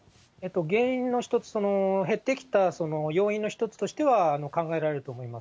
原因の一つ、減ってきた要因の一つとしては考えられると思います。